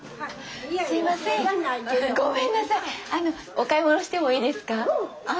お買い物してもいいですか？